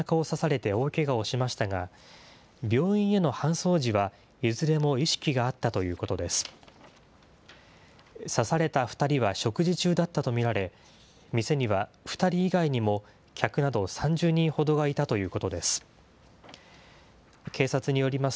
刺された２人は食事中だったと見られ、店には２人以外にも客など３０人ほどがいたということです。